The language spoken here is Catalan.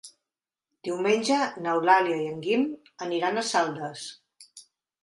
Diumenge n'Eulàlia i en Guim aniran a Saldes.